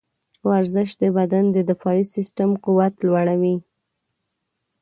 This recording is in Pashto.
ورزش د بدن د دفاعي سیستم قوت لوړوي.